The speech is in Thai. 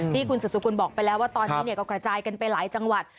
ที่คุณสุดสกุลบอกไปแล้วว่าตอนนี้ก็กระจายกันไปหลายจังหวัด